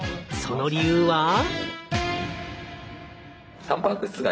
その理由は？